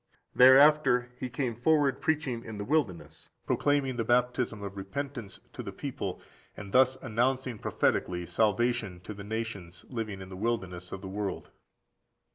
Thereafter he came forward preaching in the wilderness, proclaiming the baptism of repentance to the people, (and thus) announcing prophetically salvation to the nations living in the wilderness of the world.